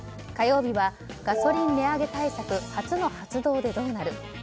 火曜日はガソリンの値上げ対策初の発動でどうなる？